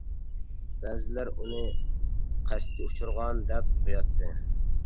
بەزىلەر ئۇنى قەستكە ئۇچرىغان دەپ قوياتتى.